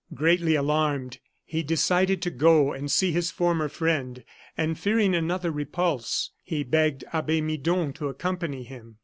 Greatly alarmed, he decided to go and see his former friend, and fearing another repulse, he begged Abbe Midon to accompany him.